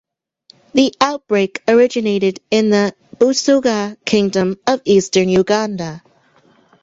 The outbreak originated in the Busoga kingdom in eastern Uganda.